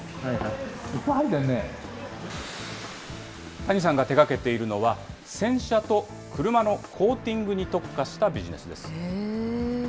谷さんが手がけているのは、洗車と車のコーティングに特化したビジネスです。